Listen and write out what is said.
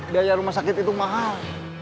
biaya rumah sakit itu mahal